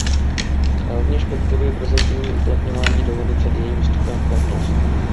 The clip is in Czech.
Rovněž podporuji prozatímní uplatňování dohody před jejím vstupem v platnost.